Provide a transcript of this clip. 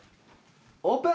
オープン！